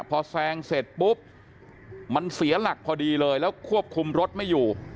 พอแซงเสร็จปุ๊บมันเสียหลักพอดีเลยแล้วควบคุมรถไม่อยู่